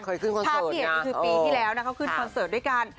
เคยขึ้นคอนเสิร์ตนะภาพเหตุก็คือปีที่แล้วนะเค้าขึ้นคอนเสิร์ตด้วยกัน